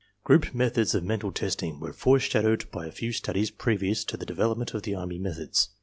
Group methods of mental testing were foreshadowed by a few studies previous to the development of the army methods.